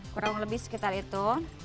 kurang lebih sekitar itu